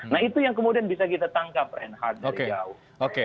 nah itu yang kemudian bisa kita tangkap reinhardt dari jauh